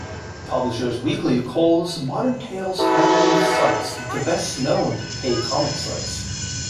"Publishers Weekly" calls the Modern Tales family of sites the best-known pay comics sites.